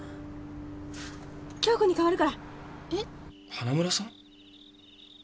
花村さん？